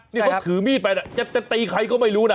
นี่เขาถือมีดไปนะจะตีใครก็ไม่รู้นะ